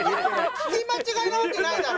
聞き間違いなわけないだろ。